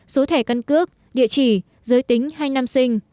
số thẻ căn cước địa chỉ giới tính hay năm sinh